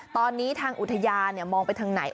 ตอนนี้ทางอุทยานมองไปทางไหน